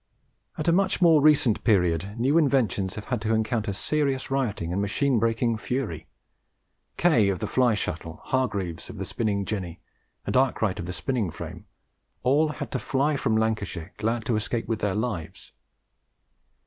At a much more recent period new inventions have had to encounter serious rioting and machine breaking fury. Kay of the fly shuttle, Hargreaves of the spinning jenny, and Arkwright of the spinning frame, all had to fly from Lancashire, glad to escape with their lives.